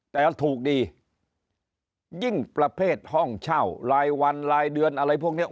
แต่ถูกดียิ่งประเภทห้องเช่ารายวันรายเดือนอะไรพวกนี้